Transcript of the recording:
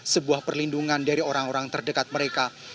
sebuah perlindungan dari orang orang terdekat mereka